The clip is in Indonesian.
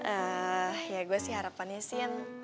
eh ya gue sih harapannya sih